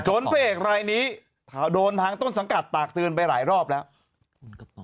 พระเอกรายนี้โดนทางต้นสังกัดตากเตือนไปหลายรอบแล้ว